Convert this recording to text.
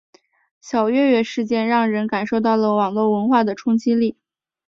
小月月事件让人感受到了网络文化的冲击力。